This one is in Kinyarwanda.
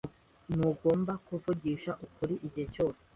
Ntugomba kuvugisha ukuri igihe cyose.